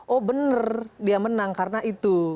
oh benar dia menang karena itu